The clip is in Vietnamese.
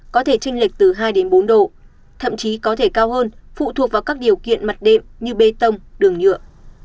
có thể tranh lệch từ hai đến bốn độ thậm chí có thể cao hơn phụ thuộc vào các điều kiện mặt đệm như bê tông đường nhựa